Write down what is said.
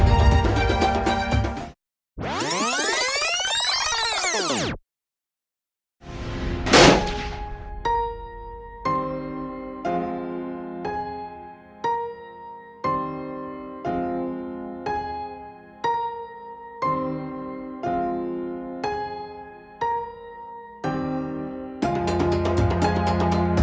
ก็ไม่รู้ว่าเกิดอะไรขึ้นข้างหลัง